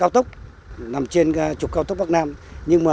tháng sáu năm nay